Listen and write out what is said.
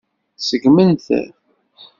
Seggmen-t.